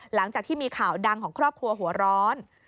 หลังจากที่มีข่าวดังของครอบครัวหัวร้อน